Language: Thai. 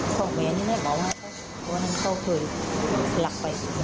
ของแม่นี่แม่บอกว่าเขาคือหลักไป